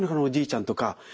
おじいちゃんとか。